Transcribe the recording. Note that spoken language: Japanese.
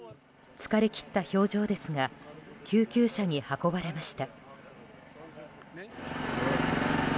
疲れ切った表情ですが救急車に運ばれました。